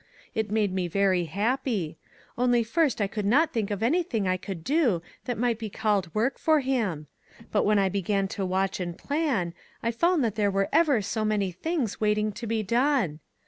It made me very happy; only first I could not think of anything I could do that might be called work for him; but when I be gan to watch and plan, I found there were ever so many things waiting to be done.